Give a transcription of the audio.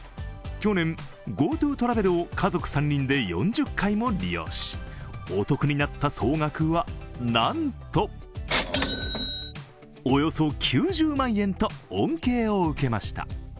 去年、ＧｏＴｏトラベルを家族３人で４０回も利用しお得になった総額は、なんとおよそ９０万円と恩恵を受けました。